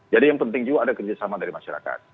jadi yang penting juga ada kerjasama dari masyarakat